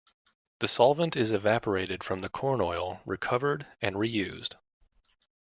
The solvent is evaporated from the corn oil, recovered, and re-used.